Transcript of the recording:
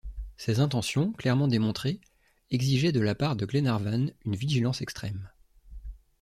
Ses intentions, clairement démontrées, exigeaient de la part de Glenarvan une vigilance extrême.